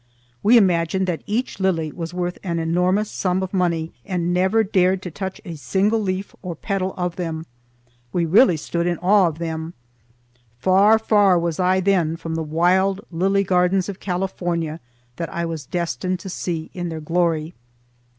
We imagined that each lily was worth an enormous sum of money and never dared to touch a single leaf or petal of them. We really stood in awe of them. Far, far was I then from the wild lily gardens of California that I was destined to see in their glory.